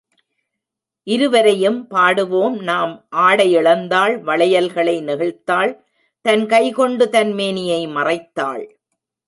இருவரையும் பாடுவோம் நாம் ஆடையிழந்தாள் வளையல்களை நெகிழ்த்தாள் தன் கைக்கொண்டு தன் மேனியை மறைத்தாள்.